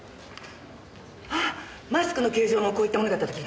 ああマスクの形状もこういったものだったと聞いてます。